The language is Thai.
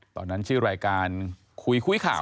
ตอนนั้นชื่อรายการคุยคุยข่าว